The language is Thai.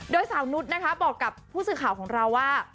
โดยสาวนุษย์นะคะบอกกับผู้สื่อข่าวของเราว่า